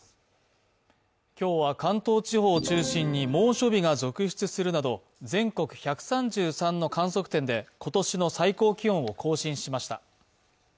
今日は関東地方を中心に猛暑日が続出するなど全国１３３の観測点で今年の最高気温を更新しました。